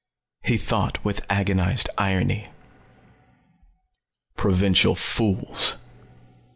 He thought with agonized irony: "Provincial fools.